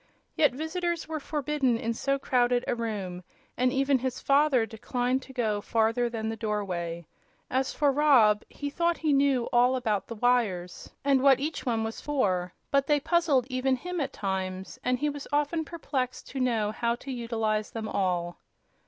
Yet visitors were forbidden in so crowded a room, and even his father declined to go farther than the doorway. As for Rob, he thought he knew all about the wires, and what each one was for; but they puzzled even him, at times, and he was often perplexed to know how to utilize them all.